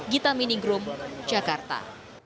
gita minigrum jakarta